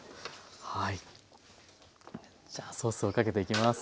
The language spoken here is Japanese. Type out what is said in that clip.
じゃソースをかけていきます。